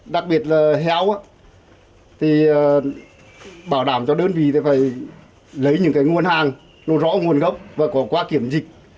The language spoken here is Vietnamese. đặc biệt là heo thì bảo đảm cho đơn vị phải lấy những nguồn hàng nó rõ nguồn gốc và có qua kiểm dịch